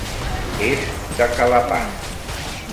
És de Calapan.